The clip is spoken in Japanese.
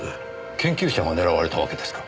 研究者が狙われたわけですか？